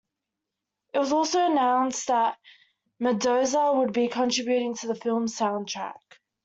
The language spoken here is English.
It was also announced that Mandoza would be contributing to the film's soundtrack.